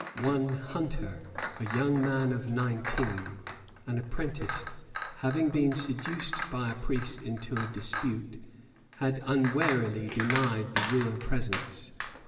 [] One Hunter, a young man of nineteen, an apprentice, having been seduced by a priest into a dispute, had unwarily denied the real presence.